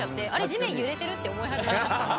地面揺れてる？」って思い始めました。